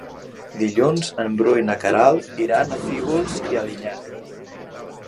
Dilluns en Bru i na Queralt iran a Fígols i Alinyà.